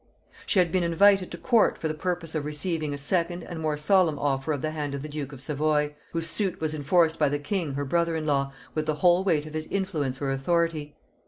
She had been invited to court for the purpose of receiving a second and more solemn offer of the hand of the duke of Savoy, whose suit was enforced by the king her brother in law with the whole weight of his influence or authority.